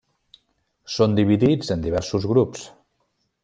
Són dividits en diversos grups.